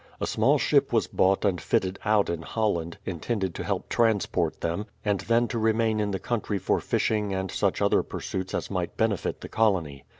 A small ship was bought and fitted out in Holland, intended to help transport them, and then to remain in the country for fishing and such other pursuits as might benefit the colony.